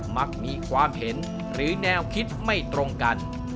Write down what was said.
มักมีความเห็นหรือแนวคิดไม่ตรงกัน